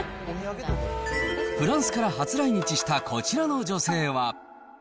フランスから初来日したこちらの女性は。